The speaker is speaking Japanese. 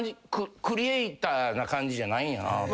クリエイターな感じじゃないんやな。